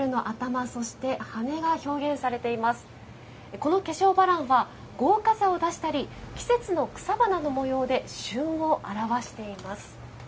この化粧バランは豪華さを出したり季節の草花の模様で旬を表しています。